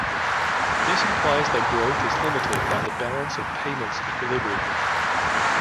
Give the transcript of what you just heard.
This implies that growth is limited by the balance of payments equilibrium.